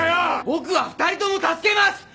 僕は２人とも助けます！